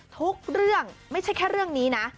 ทุกเรื่องไม่ใช่แค่เรื่องนี้นะ